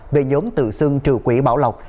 về nhóm tự xưng trừ quỷ bỏ lộc